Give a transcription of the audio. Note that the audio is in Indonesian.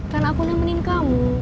kan aku nemenin kamu